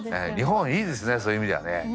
日本いいですねそういう意味ではね。